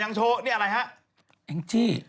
โชว์นี่อะไรฮะแองจี้